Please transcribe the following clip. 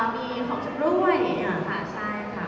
มีของชำร่วยค่ะใช่ค่ะ